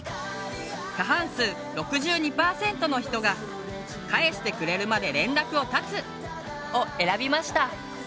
過半数６２％の人が「返してくれるまで連絡を断つ」を選びました。